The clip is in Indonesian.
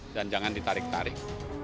dan jangan ditarik tarik